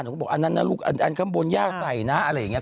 หนูก็บอกอันนั้นน่ะลูกคำบท้ายาใส่น่ะ